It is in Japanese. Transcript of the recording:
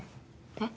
えっ？